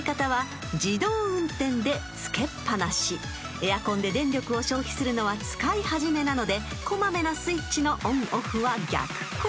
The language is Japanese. ［エアコンで電力を消費するのは使い始めなのでこまめなスイッチのオンオフは逆効果］